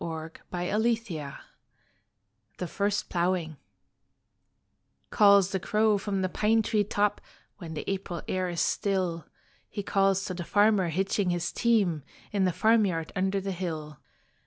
Agnes Maule Machar THE FIRST PLOUGHING Calls the crow from the pine tree top When the April air is still. He calls to the farmer hitching his team In the farmyard under the hill.